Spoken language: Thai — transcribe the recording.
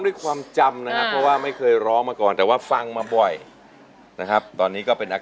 อย่ารอให้ถึงปีหน้า